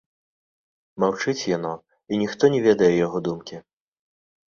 Маўчыць яно, і ніхто не ведае яго думкі.